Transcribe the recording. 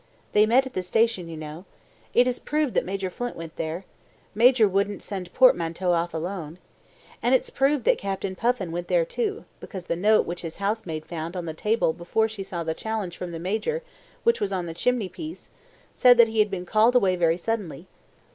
They met at the station, you know. It is proved that Major Flint went there. Major wouldn't send portmanteau off alone. And it's proved that Captain Puffin went there too, because the note which his housemaid found on the table before she saw the challenge from the Major, which was on the chimney piece, said that he had been called away very suddenly.